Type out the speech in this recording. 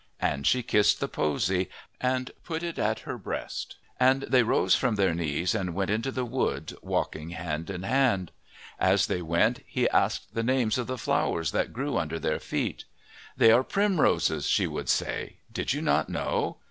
And she kissed the posy and put it at her breast. And they rose from their knees and went into the wood, walking hand in hand. As they went, he asked the names of the flowers that grew under their feet. "These are primroses," she would say. "Did you not know?